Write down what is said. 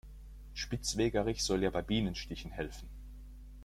Spitzwegerich soll ja bei Bienenstichen helfen.